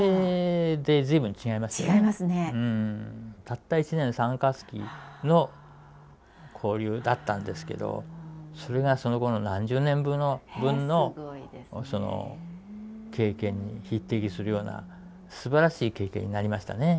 たった１年３月期の交流だったんですけどそれがその後の何十年分の経験に匹敵するようなすばらしい経験になりましたね。